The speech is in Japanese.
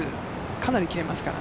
かなり切れます。